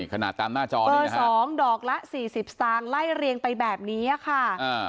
ขนาดตามหน้าจอมือ๒ดอกละ๔๐สตางค์ไล่เรียงไปแบบนี้ค่ะ